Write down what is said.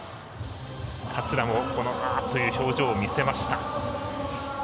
桂もああっという表情を見せました。